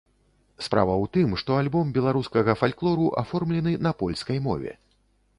Справа ў тым, што альбом беларускага фальклору аформлены на польскай мове.